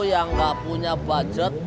yang gak punya budget